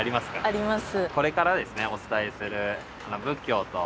あります。